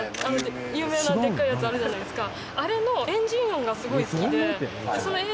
有名なでっかいやつあるじゃないですか？